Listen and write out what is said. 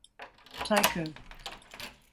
Tycho.